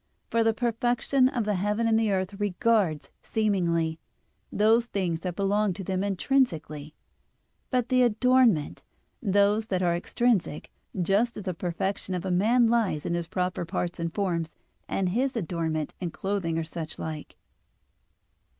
For the perfection of the heaven and the earth regards, seemingly, those things that belong to them intrinsically, but the adornment, those that are extrinsic, just as the perfection of a man lies in his proper parts and forms, and his adornment, in clothing or such like.